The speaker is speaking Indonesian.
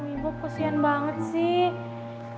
ibu kasihan banget sih